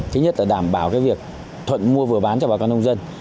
thứ nhất là đảm bảo việc thuận mua vừa bán cho bà con nông dân